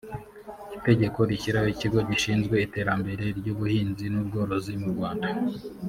itegeko rishyiraho ikigo gishinzwe iterambere ry ubuhinzi n ubworozi mu rwanda